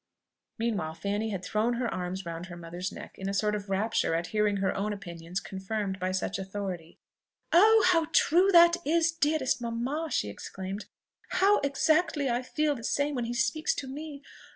Meanwhile Fanny had thrown her arms round her mother's neck in a sort of rapture at hearing her own opinions confirmed by such authority. "Oh, how true that is, dearest mamma!" she exclaimed; "how exactly I feel the same when he speaks to me!...